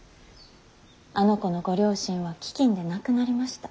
あの子のご両親は飢饉で亡くなりました。